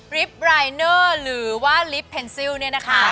รายเนอร์หรือว่าลิฟต์เพนซิลเนี่ยนะคะ